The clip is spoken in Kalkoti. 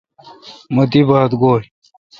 مہ دی بات گوئ۔